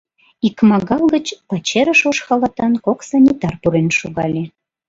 Икмагал гыч пачерыш ош халатан кок санитар пурен шогале.